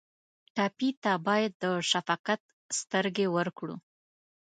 ټپي ته باید د شفقت سترګې ورکړو.